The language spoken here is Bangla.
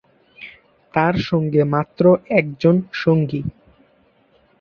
তার সঙ্গে মাত্র একজন সঙ্গী।